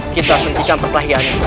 kita harus mengikam perkelahiannya